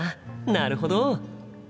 なるほど。